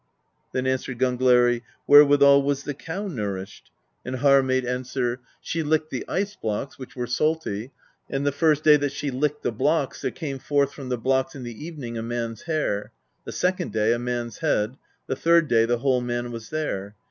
Then asked Gangleri: "Where withal was the cow nourished?" And Harr made answer: THE BEGUILING OF GYLFI 19 "She licked the ice blocks, which were salty; and the first day that she licked the blocks, there came forth from the blocks in the evening a man's hair; the second day, a man's head; the third day the whole man was there.